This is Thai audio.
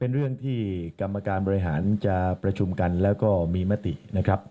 เรื่องที่กรรมการบริหารจะประชุมกันแล้วก็มีมตินะครับ